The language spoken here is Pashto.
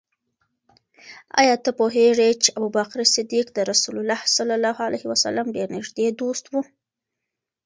آیا ته پوهېږې چې ابوبکر صدیق د رسول الله ص ډېر نږدې دوست و؟